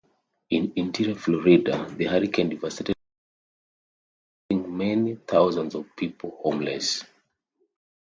In interior Florida, the hurricane devastated many communities, leaving thousands of people homeless.